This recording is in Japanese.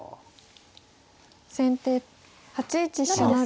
先手８一飛車成。